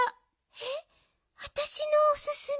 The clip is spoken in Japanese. えっ？わたしのおすすめ？